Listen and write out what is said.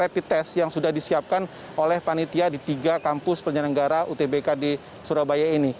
rapid test yang sudah disiapkan oleh panitia di tiga kampus penyelenggara utbk di surabaya ini